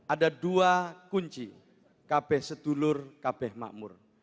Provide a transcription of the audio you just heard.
ada dua kunci kb sedulur kb makmur